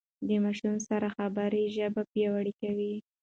د ماشوم سره خبرې ژبه پياوړې کوي.